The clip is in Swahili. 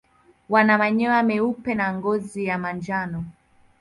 Wana manyoya meupe na ngozi ya manjano.